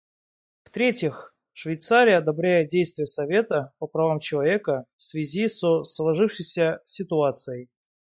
В-третьих, Швейцария одобряет действия Совета по правам человека в связи со сложившейся ситуацией.